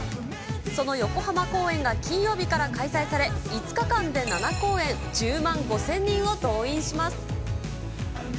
その横浜公演が金曜日から開催され、５日間で７公演、１０万５０００人を動員します。